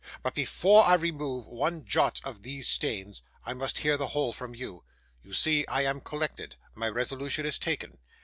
But before I remove one jot of these stains, I must hear the whole from you. You see I am collected. My resolution is taken.